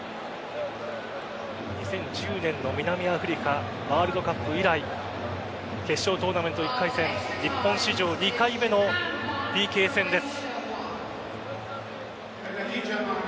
２０１０年の南アフリカワールドカップ以来決勝トーナメント１回戦日本史上２回目のＰＫ戦です。